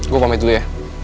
gue pamit dulu ya